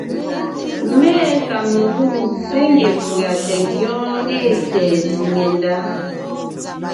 Mé ée kamelûm nzsé ngie pʉ̀a tɛ ngyɔ́ɔn ée tsɛ̀ɛ tsìŋe ndá: